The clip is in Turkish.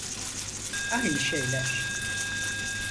Aynı şeyler.